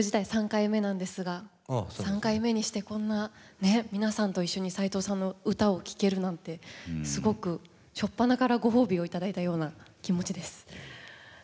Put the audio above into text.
３回目にしてこんなね皆さんと一緒に斉藤さんの歌を聴けるなんてすごく初っぱなからご褒美をいただいたような気持ちです。